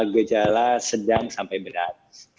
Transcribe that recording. gejala sedang sampai berat